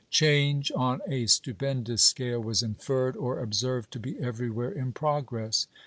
Change on a stupendous scale was inferred or observed to be everywhere in progress.